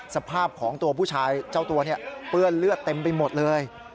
สภาพของตัวผู้ชายเจ้าตัวเนี่ยเปื้อนเลือดเต็มไปหมดเลย